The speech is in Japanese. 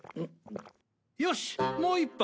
よしもう一杯！